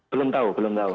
belum tahu belum tahu